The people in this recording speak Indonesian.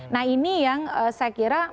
nah ini yang saya kira